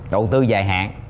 đầu tư dài hạn